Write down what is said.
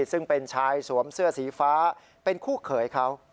ซึ่งเป็นชายสวมเสื้อสีฟ้าเป็นคู่เขยเขา